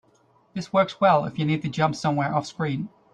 This works well if you need to jump somewhere offscreen.